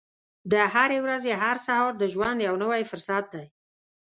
د هرې ورځې هر سهار د ژوند یو نوی فرصت دی.